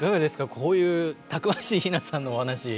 こういうたくましいひなさんのお話。